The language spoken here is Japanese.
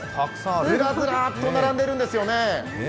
ずらずらっと並んでるんですよね。